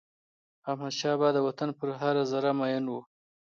احمدشاه بابا د وطن پر هره ذره میین و.